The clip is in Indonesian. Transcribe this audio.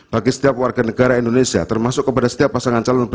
bagi setiap warga negara indonesia termasuk kepada setiap pasangan calon